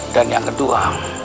dan yang kedua